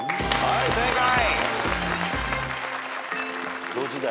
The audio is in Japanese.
はい正解。